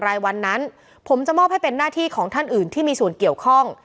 รายวันนั้นผมจะมอบให้เป็นหน้าที่ของท่านอื่นที่มีส่วนเกี่ยวข้อง